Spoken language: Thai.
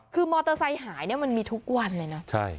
คือมอเตอร์ไซค์หายเนี่ยมันมีทุกวันเลยนะ